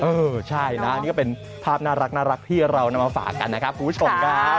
เออใช่นะนี่ก็เป็นภาพน่ารักที่เรานำมาฝากกันนะครับคุณผู้ชมครับ